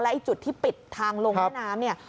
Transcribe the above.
และจุดที่ปิดทางลงแม่น้ำ